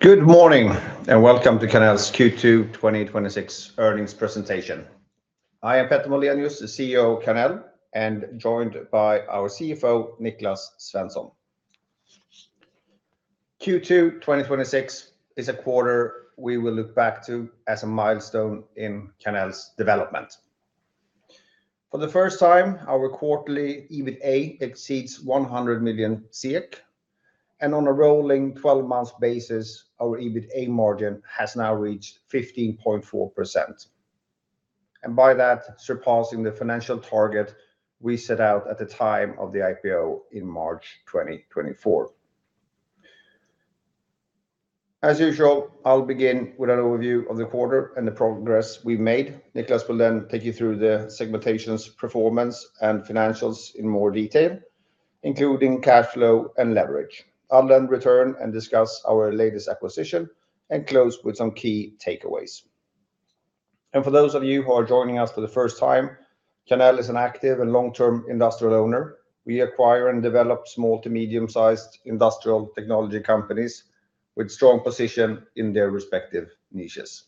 Good morning, welcome to Karnell's Q2 2026 Earnings Presentation. I am Petter Moldenius, the CEO of Karnell, and joined by our CFO, Niklas Svensson. Q2 2026 is a quarter we will look back to as a milestone in Karnell's development. For the first time, our quarterly EBITA exceeds 100 million, on a rolling 12-month basis, our EBITA margin has now reached 15.4%. By that, surpassing the financial target we set out at the time of the IPO in March 2024. As usual, I'll begin with an overview of the quarter and the progress we've made. Niklas will then take you through the segmentation's performance and financials in more detail, including cash flow and leverage. I'll then return and discuss our latest acquisition and close with some key takeaways. For those of you who are joining us for the first time, Karnell is an active and long-term industrial owner. We acquire and develop small to medium-sized industrial technology companies with a strong position in their respective niches.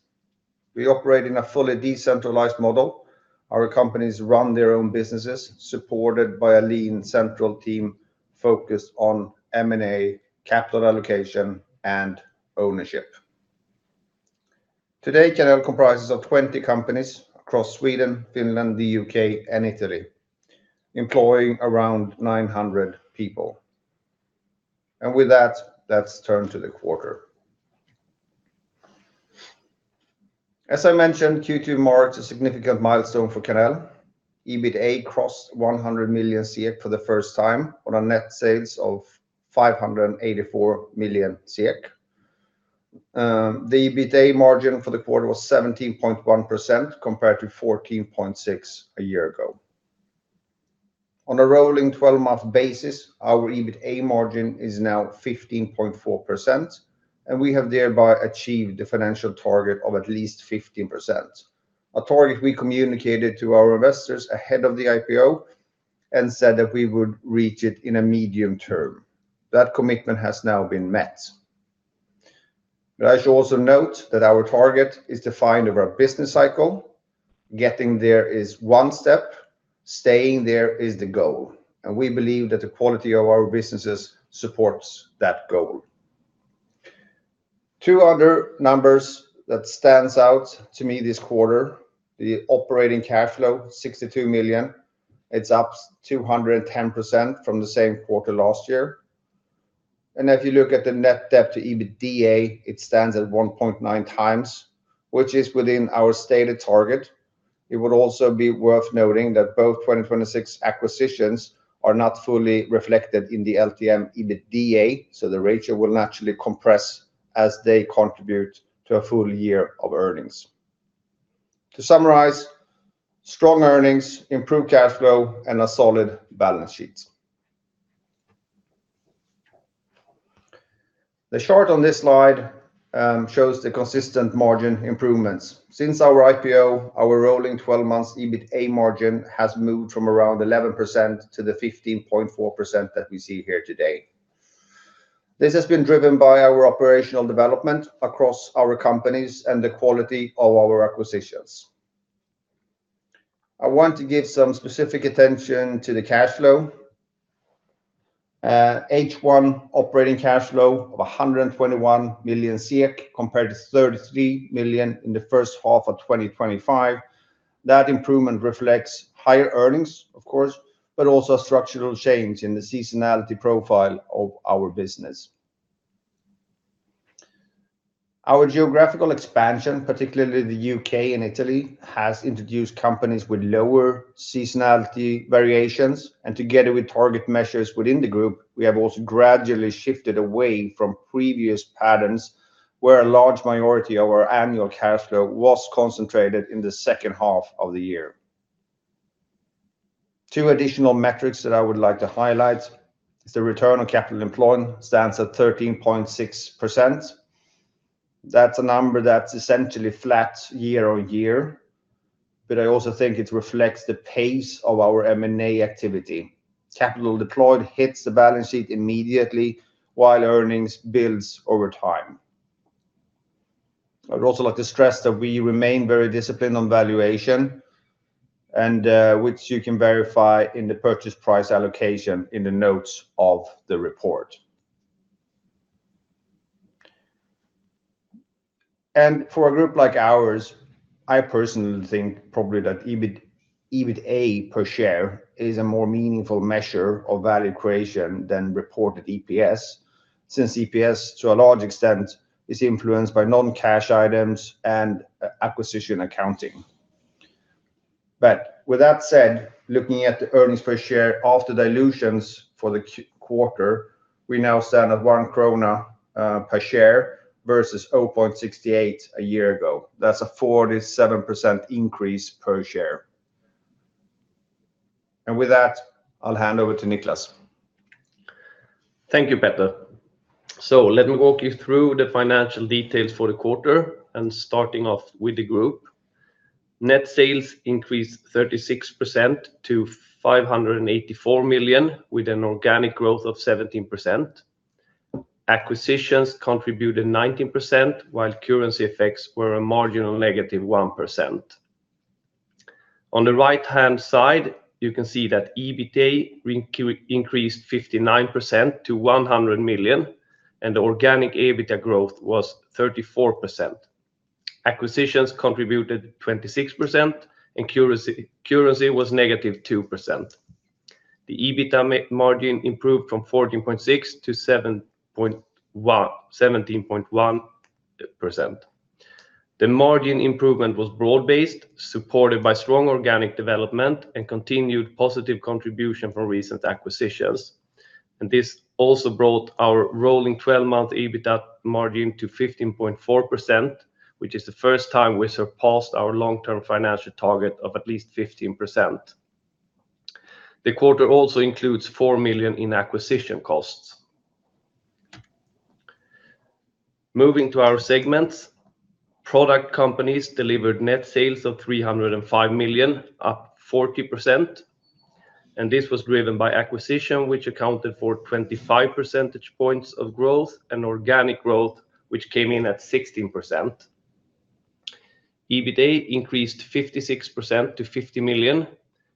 We operate in a fully decentralized model. Our companies run their own businesses, supported by a lean central team focused on M&A, capital allocation, and ownership. Today, Karnell comprises of 20 companies across Sweden, Finland, the U.K., and Italy, employing around 900 people. With that, let's turn to the quarter. As I mentioned, Q2 marks a significant milestone for Karnell. EBITA crossed 100 million for the first time on a net sales of 584 million. The EBITA margin for the quarter was 17.1% compared to 14.6% a year ago. On a rolling 12-month basis, our EBITA margin is now 15.4%. We have thereby achieved the financial target of at least 15%. A target we communicated to our investors ahead of the IPO and said that we would reach it in a medium term. That commitment has now been met. I should also note that our target is defined over a business cycle. Getting there is one step, staying there is the goal, and we believe that the quality of our businesses supports that goal. Two other numbers that stands out to me this quarter, the operating cash flow, 62 million. It's up 210% from the same quarter last year. If you look at the net debt to EBITA, it stands at 1.9x, which is within our stated target. It would also be worth noting that both 2026 acquisitions are not fully reflected in the LTM EBITA, the ratio will naturally compress as they contribute to a full year of earnings. To summarize, strong earnings, improved cash flow, and a solid balance sheet. The chart on this slide shows the consistent margin improvements. Since our IPO, our rolling 12-month EBITA margin has moved from around 11% to the 15.4% that we see here today. This has been driven by our operational development across our companies and the quality of our acquisitions. I want to give some specific attention to the cash flow. H1 operating cash flow of 121 million, compared to 33 million in the first half of 2025. That improvement reflects higher earnings, of course, but also a structural change in the seasonality profile of our business. Our geographical expansion, particularly the U.K. and Italy, has introduced companies with lower seasonality variations, and together with target measures within the Group, we have also gradually shifted away from previous patterns where a large minority of our annual cash flow was concentrated in the second half of the year. Two additional metrics that I would like to highlight is the return on capital employed stands at 13.6%. That is a number that is essentially flat year-over-year, but I also think it reflects the pace of our M&A activity. Capital deployed hits the balance sheet immediately, while earnings builds over time. I would also like to stress that we remain very disciplined on valuation, which you can verify in the purchase price allocation in the notes of the report. For a Group like ours, I personally think probably that EBITA per share is a more meaningful measure of value creation than reported EPS, since EPS, to a large extent, is influenced by non-cash items and acquisition accounting. With that said, looking at the earnings per share after dilutions for the quarter, we now stand at 1 krona per share versus 0.68 a year ago. That is a 47% increase per share. With that, I will hand over to Niklas. Thank you, Petter. Let me walk you through the financial details for the quarter and starting off with the Group net sales increased 36% to 584 million, with an organic growth of 17%. Acquisitions contributed 19%, while currency effects were a marginal negative 1%. On the right-hand side, you can see that EBITA increased 59% to 100 million, and the organic EBITA growth was 34%. Acquisitions contributed 26%, and currency was negative 2%. The EBITA margin improved from 14.6%-17.1%. The margin improvement was broad-based, supported by strong organic development and continued positive contribution from recent acquisitions. This also brought our rolling 12-month EBITA margin to 15.4%, which is the first time we surpassed our long-term financial target of at least 15%. The quarter also includes 4 million in acquisition costs. Moving to our segments, Product companies delivered net sales of 305 million, up 40%, and this was driven by acquisition, which accounted for 25 percentage points of growth and organic growth, which came in at 16%. EBITA increased 56% to 50 million,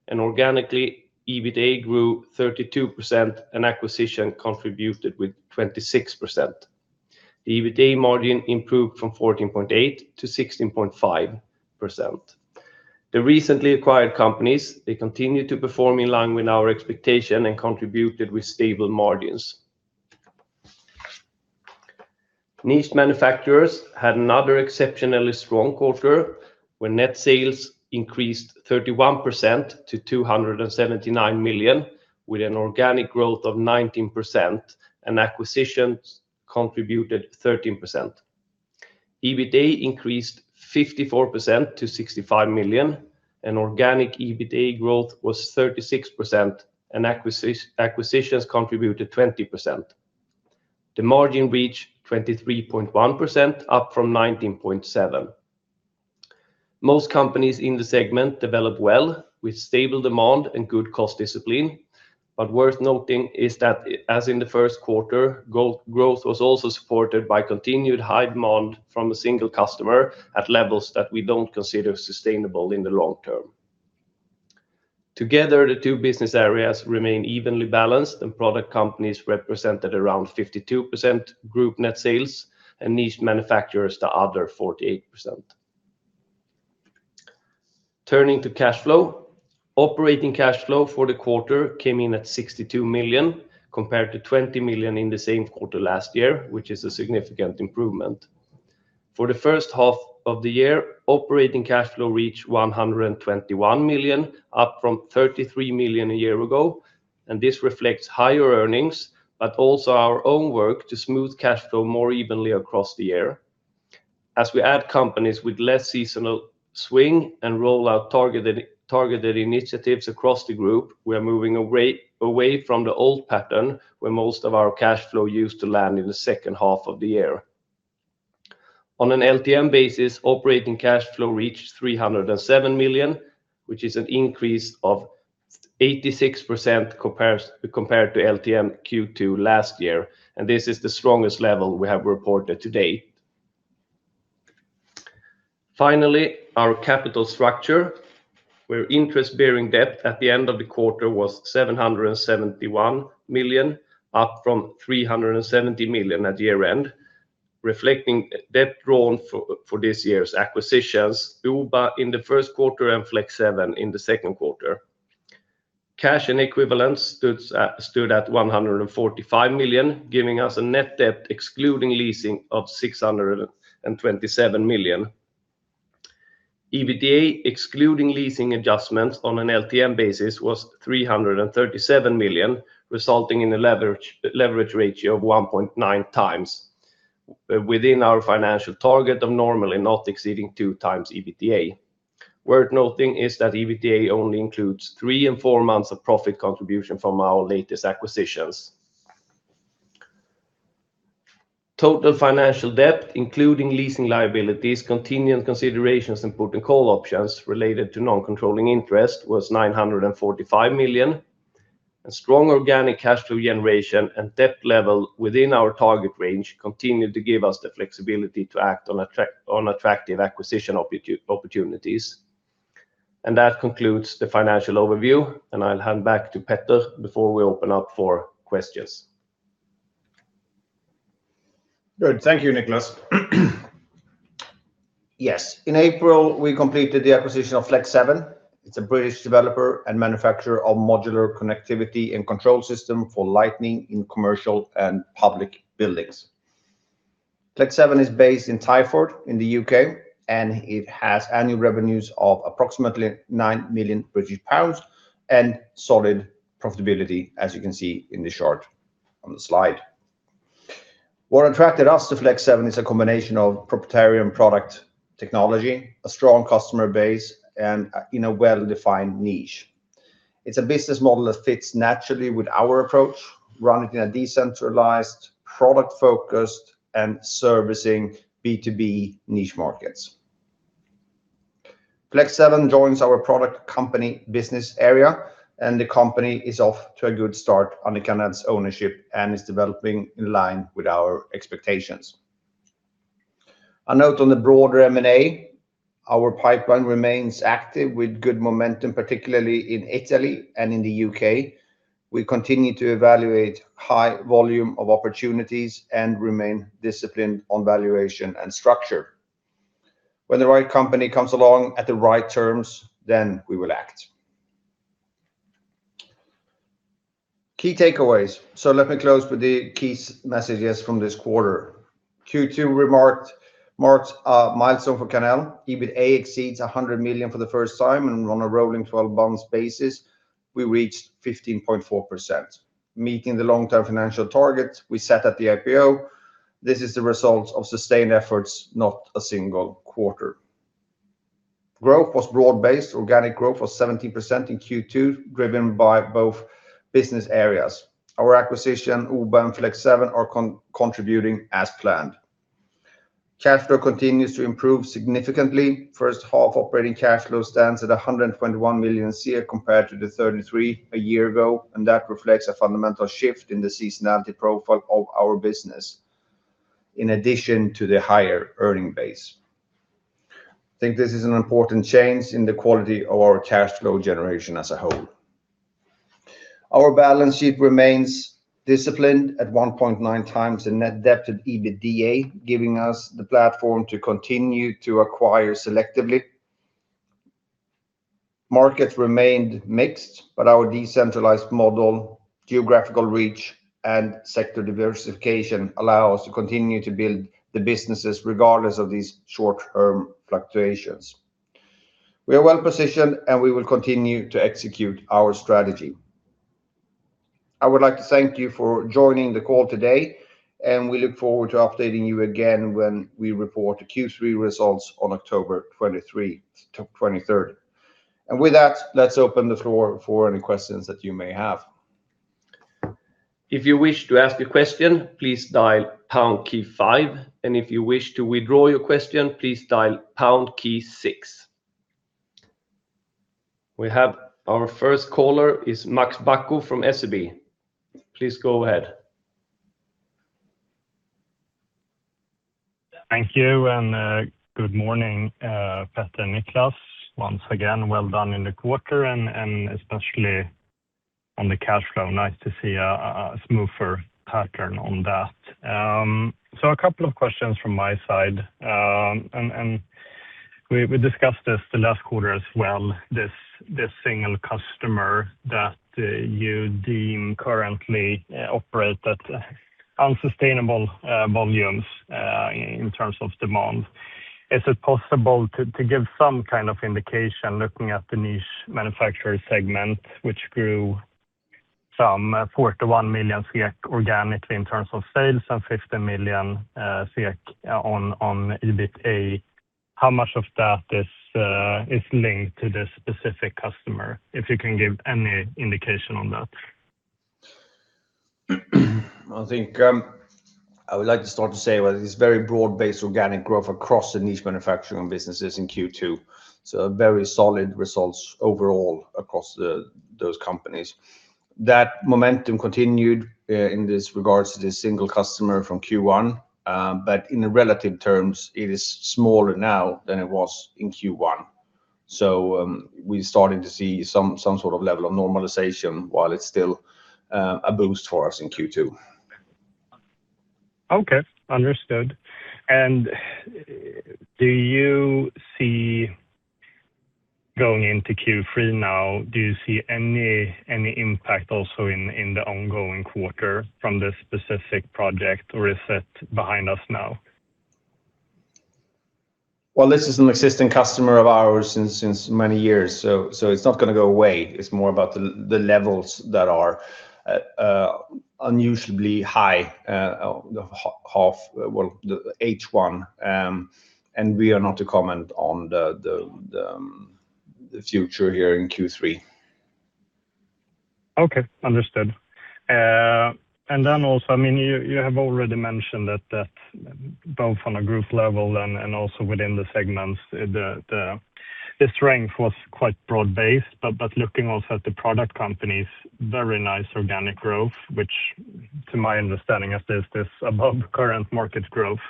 and organically, EBITA grew 32%, and acquisition contributed with 26%. The EBITA margin improved from 14.8%-16.5%. The recently acquired companies, they continue to perform in line with our expectation and contributed with stable margins. Niched manufacturers had another exceptionally strong quarter when net sales increased 31% to 279 million, with an organic growth of 19% and acquisitions contributed 13%. EBITA increased 54% to 65 million, and organic EBITA growth was 36%, and acquisitions contributed 20%. The margin reached 23.1%, up from 19.7%. Most companies in the segment developed well, with stable demand and good cost discipline. Worth noting is that as in the first quarter, growth was also supported by continued high demand from a single customer at levels that we don't consider sustainable in the long term. Together, the two business areas remain evenly balanced, product companies represented around 52% Group net sales and Niched manufacturers, the other 48%. Turning to cash flow, operating cash flow for the quarter came in at 62 million, compared to 20 million in the same quarter last year, which is a significant improvement. For the first half of the year, operating cash flow reached 121 million, up from 33 million a year ago, this reflects higher earnings, also our own work to smooth cash flow more evenly across the year. As we add companies with less seasonal swing and roll out targeted initiatives across the Group, we are moving away from the old pattern where most of our cash flow used to land in the second half of the year. On an LTM basis, operating cash flow reached 307 million, which is an increase of 86% compared to LTM Q2 last year, this is the strongest level we have reported to date. Finally, our capital structure, where interest-bearing debt at the end of the quarter was 771 million, up from 370 million at year-end, reflecting debt drawn for this year's acquisitions, OBA in the first quarter and flex7 in the second quarter. Cash and equivalents stood at 145 million, giving us a net debt excluding leasing of 627 million. EBITA, excluding leasing adjustments on an LTM basis, was 337 million, resulting in a leverage ratio of 1.9x within our financial target of normally not exceeding 2x EBITA. Worth noting is that EBITA only includes three and four months of profit contribution from our latest acquisitions. Total financial debt, including leasing liabilities, continuing considerations, and put and call options related to non-controlling interest, was 945 million, strong organic cash flow generation and debt level within our target range continued to give us the flexibility to act on attractive acquisition opportunities. That concludes the financial overview, I'll hand back to Petter before we open up for questions. Good. Thank you, Niklas. Yes. In April, we completed the acquisition of flex7. It's a British developer and manufacturer of modular connectivity and control system for lighting in commercial and public buildings. flex7 is based in Twyford in the U.K., it has annual revenues of approximately 9 million British pounds and solid profitability, as you can see in the chart on the slide. What attracted us to flex7 is a combination of proprietarian product technology, a strong customer base, and in a well-defined niche. It's a business model that fits naturally with our approach, running in a decentralized, product-focused, and servicing B2B niche markets. flex7 joins our product company business area, the company is off to a good start under Karnell's ownership and is developing in line with our expectations. A note on the broader M&A, our pipeline remains active with good momentum, particularly in Italy and in the U.K. We continue to evaluate high volume of opportunities and remain disciplined on valuation and structure. When the right company comes along at the right terms, then we will act. Key takeaways. Let me close with the key messages from this quarter. Q2 marked a milestone for Karnell. EBITA exceeds 100 million for the first time, and on a rolling 12-months basis, we reached 15.4%. Meeting the long-term financial target we set at the IPO, this is the result of sustained efforts, not a single quarter. Growth was broad-based. Organic growth was 17% in Q2, driven by both business areas. Our acquisition, OBA and flex7, are contributing as planned. Cash flow continues to improve significantly. First half operating cash flow stands at 121 million compared to 33 million a year ago, and that reflects a fundamental shift in the seasonality profile of our business, in addition to the higher earning base. I think this is an important change in the quality of our cash flow generation as a whole. Our balance sheet remains disciplined at 1.9x the net debt to EBITDA, giving us the platform to continue to acquire selectively. Markets remained mixed, but our decentralized model, geographical reach, and sector diversification allow us to continue to build the businesses regardless of these short-term fluctuations. We are well-positioned, and we will continue to execute our strategy. I would like to thank you for joining the call today, and we look forward to updating you again when we report the Q3 results on October 23rd. With that, let's open the floor for any questions that you may have. If you wish to ask a question, please dial pound key five, and if you wish to withdraw your question, please dial pound key six. We have our first caller is Max Bacco from SEB. Please go ahead. Thank you. Good morning, Petter and Niklas. Once again, well done in the quarter and especially on the cash flow. Nice to see a smoother pattern on that. A couple of questions from my side. We discussed this the last quarter as well, this single customer that you deem currently operate at unsustainable volumes in terms of demand. Is it possible to give some kind of indication looking at the Niched manufacturer segment, which grew from 41 million SEK organically in terms of sales and 15 million SEK on EBITA? How much of that is linked to this specific customer? If you can give any indication on that. I think I would like to start to say, well, it is very broad-based organic growth across the niched manufacturing businesses in Q2. Very solid results overall across those companies. That momentum continued in this regards to this single customer from Q1. In relative terms, it is smaller now than it was in Q1. We're starting to see some sort of level of normalization while it's still a boost for us in Q2. Okay. Understood. Do you see, going into Q3 now, do you see any impact also in the ongoing quarter from this specific project, or is it behind us now? Well, this is an existing customer of ours since many years. It's not going to go away. It's more about the levels that are unusually high H1. We are not to comment on the future here in Q3. Okay. Understood. You have already mentioned that both on a group level and also within the segments, the strength was quite broad-based. Looking also at the product companies, very nice organic growth, which to my understanding at least is above current market growth.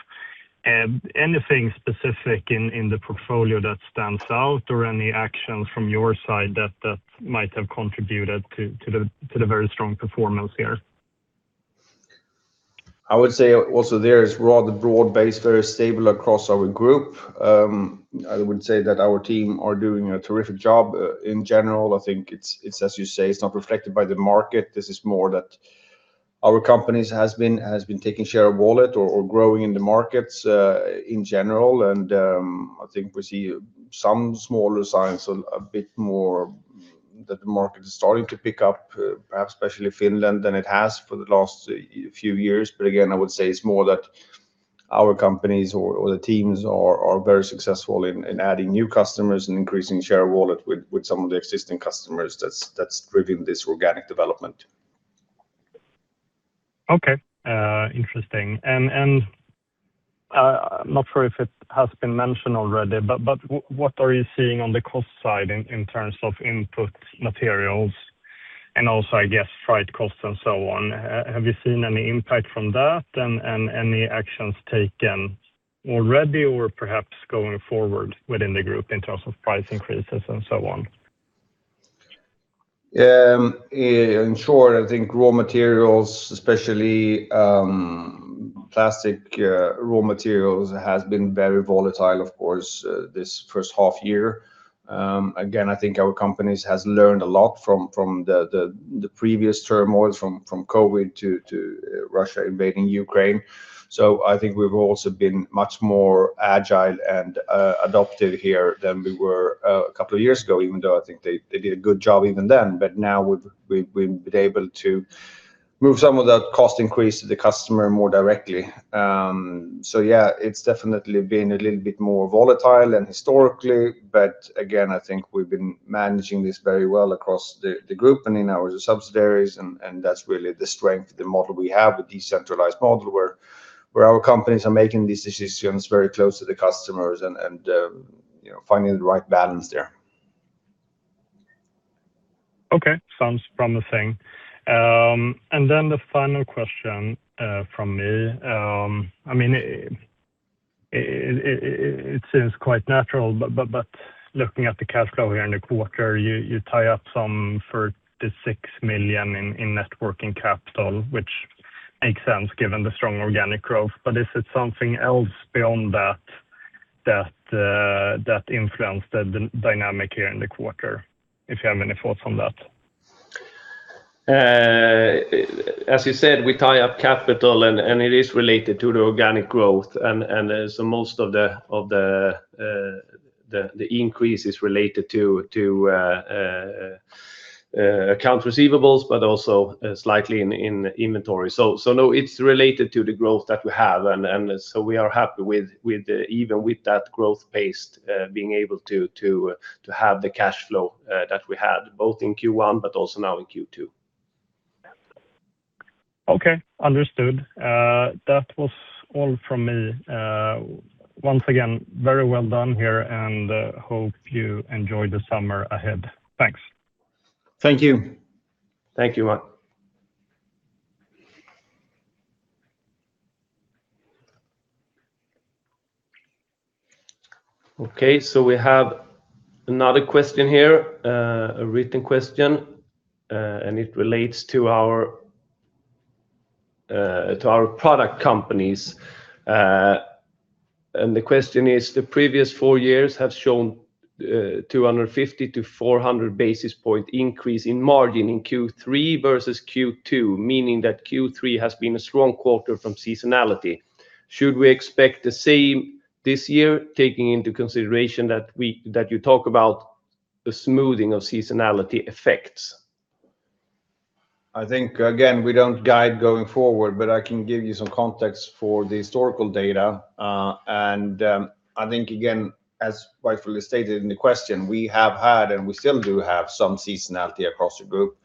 Anything specific in the portfolio that stands out or any actions from your side that might have contributed to the very strong performance here? I would say also there is rather broad-based, very stable across our group. I would say that our team are doing a terrific job in general. I think it's as you say, it's not reflected by the market. This is more that our companies has been taking share of wallet or growing in the markets in general. I think we see some smaller signs, a bit more that the market is starting to pick up, perhaps especially Finland, than it has for the last few years. Again, I would say it's more that our companies or the teams are very successful in adding new customers and increasing share of wallet with some of the existing customers that's driving this organic development. Okay. Interesting. I'm not sure if it has been mentioned already, what are you seeing on the cost side in terms of input materials and also, I guess, freight costs and so on? Have you seen any impact from that and any actions taken already or perhaps going forward within the group in terms of price increases and so on? In short, I think raw materials, especially plastic raw materials, has been very volatile, of course, this first half year. Again, I think our companies has learned a lot from the previous turmoils, from COVID to Russia invading Ukraine. I think we've also been much more agile and adaptive here than we were a couple of years ago, even though I think they did a good job even then. Now we've been able to move some of that cost increase to the customer more directly. Yeah, it's definitely been a little bit more volatile than historically. Again, I think we've been managing this very well across the group and in our subsidiaries. That's really the strength of the model we have, a decentralized model where our companies are making these decisions very close to the customers and finding the right balance there. Okay. Sounds promising. The final question from me. It seems quite natural, but looking at the cash flow here in the quarter, you tie up some 36 million in net working capital, which makes sense given the strong organic growth. Is it something else beyond that influenced the dynamic here in the quarter? If you have any thoughts on that. As you said, we tie up capital and it is related to the organic growth. Most of the increase is related to account receivables, but also slightly in inventory. No, it's related to the growth that we have. We are happy even with that growth pace, being able to have the cash flow that we had both in Q1 but also now in Q2. Okay. Understood. That was all from me. Once again, very well done here, and hope you enjoy the summer ahead. Thanks. Thank you. Thank you, Max. We have another question here, a written question, and it relates to our product companies. The question is: The previous four years have shown 250 to 400 basis point increase in margin in Q3 versus Q2, meaning that Q3 has been a strong quarter from seasonality. Should we expect the same this year, taking into consideration that you talk about the smoothing of seasonality effects? I think, again, we don't guide going forward, but I can give you some context for the historical data. I think, again, as rightfully stated in the question, we have had, and we still do have some seasonality across the group.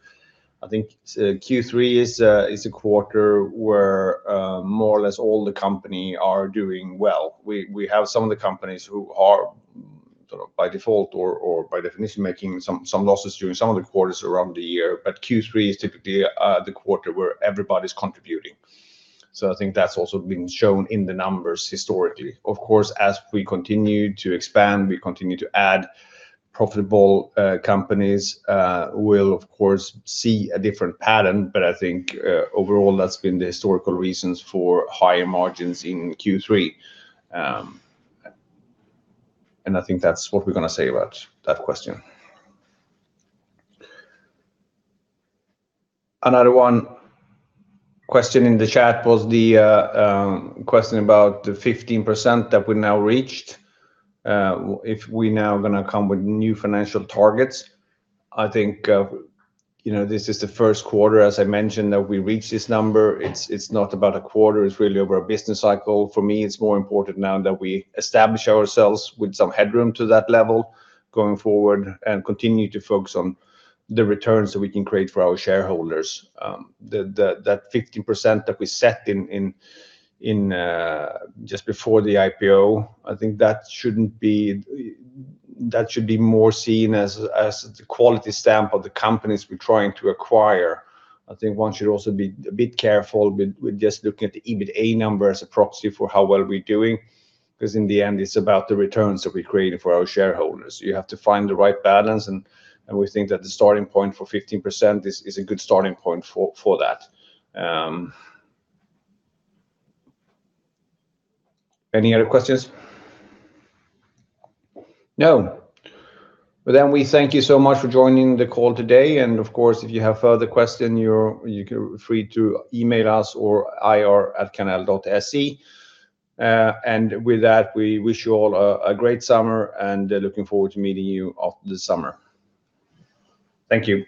I think Q3 is a quarter where more or less all the company are doing well. We have some of the companies who are sort of by default or by definition, making some losses during some of the quarters around the year. Q3 is typically the quarter where everybody's contributing. I think that's also been shown in the numbers historically. Of course, as we continue to expand, we continue to add profitable companies, we'll of course see a different pattern. I think overall, that's been the historical reasons for higher margins in Q3. I think that's what we're going to say about that question. Another one question in the chat was the question about the 15% that we now reached. If we now are going to come with new financial targets, I think this is the first quarter, as I mentioned, that we reached this number. It's not about a quarter, it's really over a business cycle. For me, it's more important now that we establish ourselves with some headroom to that level going forward and continue to focus on the returns that we can create for our shareholders. That 15% that we set in just before the IPO, I think that should be more seen as the quality stamp of the companies we're trying to acquire. I think one should also be a bit careful with just looking at the EBITA number as a proxy for how well we're doing, because in the end, it's about the returns that we created for our shareholders. You have to find the right balance, and we think that the starting point for 15% is a good starting point for that. Any other questions? No. We thank you so much for joining the call today. Of course, if you have further questions, you can feel free to email us or ir@karnell.se. With that, we wish you all a great summer and looking forward to meeting you after the summer. Thank you